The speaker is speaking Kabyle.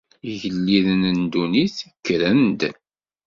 Igelliden n ddunit kkren-d.